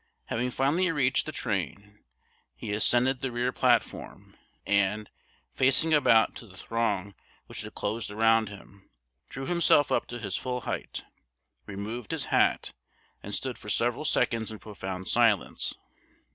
Having finally reached the train, he ascended the rear platform, and, facing about to the throng which had closed around him, drew himself up to his full height, removed his hat, and stood for several seconds in profound silence.